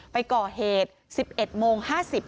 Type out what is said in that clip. ไปก่อเหตุ๑๑โมง๕๐